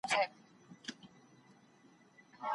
کورنۍ باید فشار ونه راوړي.